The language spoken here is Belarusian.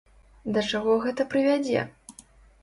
Да чаго гэта прывядзе?